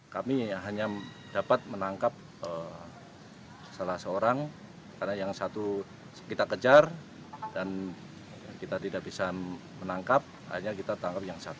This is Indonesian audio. kami hanya dapat menangkap salah seorang karena yang satu kita kejar dan kita tidak bisa menangkap akhirnya kita tangkap yang satu